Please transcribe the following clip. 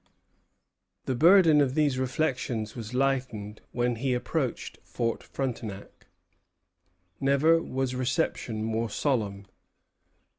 Y., I. 463. The burden of these reflections was lightened when he approached Fort Frontenac. "Never was reception more solemn.